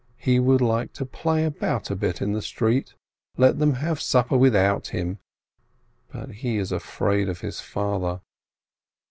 He would like to play about a bit in the street, let them have supper without him, but he is afraid of his father.